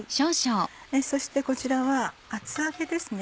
そしてこちらは厚揚げですね。